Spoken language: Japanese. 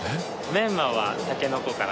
メンマはタケノコから。